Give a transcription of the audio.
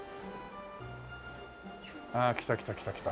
ああ来た来た来た来た。